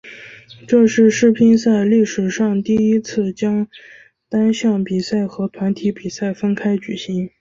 这是世乒赛历史上第一次将单项比赛和团体比赛分开举行。